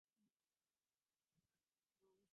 সে এ লইয়া আর কোনও তর্ক উঠাইল না।